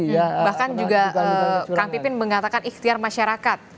bahkan juga kang pipin mengatakan ikhtiar masyarakat